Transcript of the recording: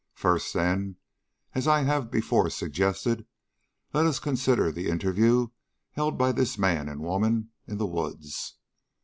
First, then, as I have before suggested, let us consider the interview held by this man and woman in the woods.